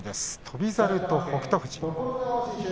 翔猿と北勝富士。